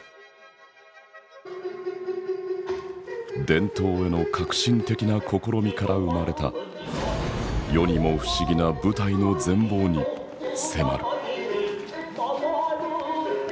伝統への革新的な試みから生まれた世にも不思議な舞台の全貌に迫る。